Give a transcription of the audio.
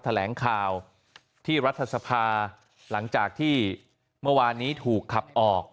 แถลงข่าวที่รัฐสภาหลังจากที่เมื่อวานนี้ถูกขับออก